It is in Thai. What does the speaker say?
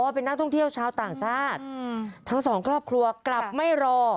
เป็นนักท่องเที่ยวชาวต่างชาติทั้งสองครอบครัวกลับไม่รอ